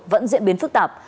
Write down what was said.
vẫn diễn biến phức tạp